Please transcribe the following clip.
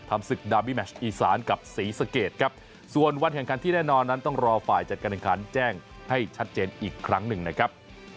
ศึกดาบิแมชอีสานกับศรีสะเกดครับส่วนวันแข่งขันที่แน่นอนนั้นต้องรอฝ่ายจัดการแข่งขันแจ้งให้ชัดเจนอีกครั้งหนึ่งนะครับ